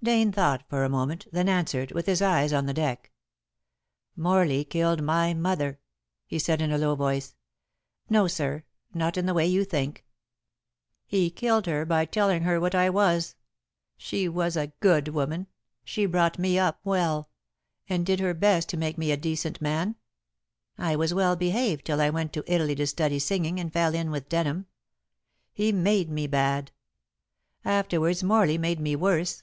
Dane thought for a moment, then answered, with his eyes on the deck, "Morley killed my mother," he said in a low voice. "No, sir, not in the way you think. He killed her by telling her what I was. She was a good woman. She brought me up well, and did her best to make me a decent man. I was well behaved till I went to Italy to study singing, and fell in with Denham. He made me bad. Afterwards Morley made me worse.